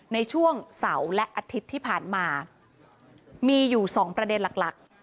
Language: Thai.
ในช่วงเสาร์และอาทิตย์ที่ผ่านมามีอยู่๒ประเด็นหลักหลัก